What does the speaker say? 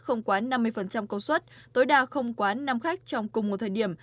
không quá năm mươi công suất tối đa không quá năm khách trong cùng một thời điểm